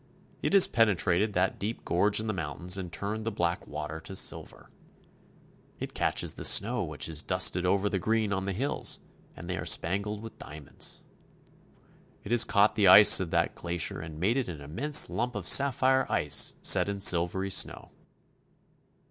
It has penetrated that deep gorge in the mountains and turned the black water to sil ver. It catches the snow which is dusted over the green on the hills, and they are spangled with diamonds. It has caught the ice of that glacier and made it an immense lump of sapphire ice set in silvery snow.